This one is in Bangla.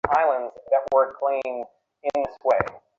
এমন অবস্থায় বাড়িতে রূপসী কন্যার অভ্যাগম ছিল যেন ভাগ্যবিধাতার অভিসম্পাত।